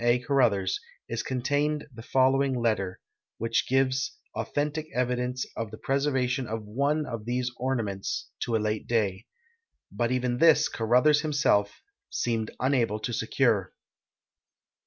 A. Caruthers, is contained the following letter, which gives authentic evidence of the ])reservation of one of these ornaments to a late da}'. But even this Caruthers himself seemed unable to secure.